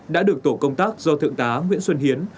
đã được tổ công tác do thượng tá nguyễn xuân hiến